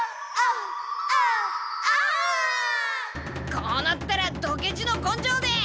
こうなったらドケチの根性で！